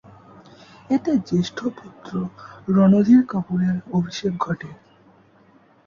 এতে জ্যেষ্ঠ পুত্র রণধীর কাপুরের অভিষেক ঘটে।